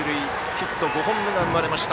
ヒット５本目が生まれました。